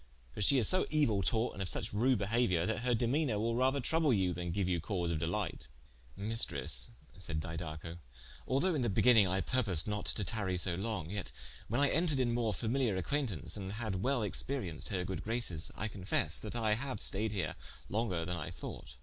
For she is so euill taught, and of suche rude behauiour, that her demeanour will rather trouble you, than geue you cause of delight." "Maistresse," said Didaco, "although in the beginning I purposed not to tary so long, yet when I entered in more familiar acquaintaunce and had well experienced her good graces, I confesse that I haue staied here longer then I thought.